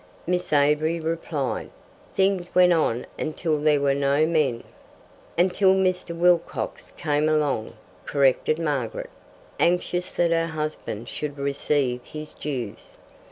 Miss Avery replied: "Things went on until there were no men." "Until Mr. Wilcox came along," corrected Margaret, anxious that her husband should receive his dues.